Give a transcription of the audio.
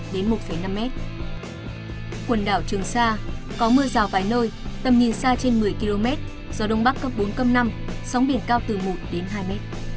quần đảo trường sa có mưa rào vài nơi tầm nhìn xa trên một mươi km gió đông bắc cấp bốn cấp năm sóng biển cao từ một đến hai m